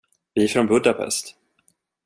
Vi är från Budapest.